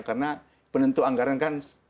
karena penentu anggaran kan anggota dewan